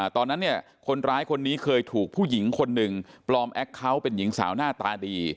ตอนนั้นเนี่ยคนร้ายคนนี้เคยถูกผู้หญิงคนหนึ่งปลอมแอคเคาน์เป็นหญิงสาวหน้าตาดี